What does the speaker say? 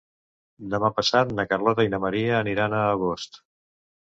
Demà passat na Carlota i na Maria aniran a Agost.